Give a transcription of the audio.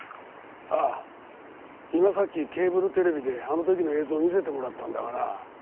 ああ今さっきケーブルテレビであの時の映像を見せてもらったんだがな。